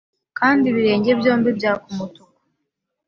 Kandi ibirenge byombi byaka umutuku